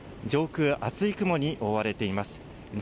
上空、厚い雲に覆われています。